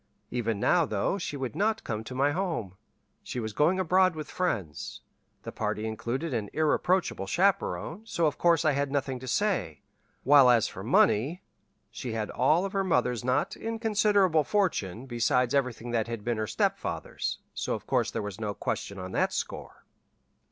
Even now, though, she would not come to my home. She was going abroad with friends. The party included an irreproachable chaperon, so of course I had nothing to say; while as for money she had all of her mother's not inconsiderable fortune besides everything that had been her stepfather's; so of course there was no question on that score.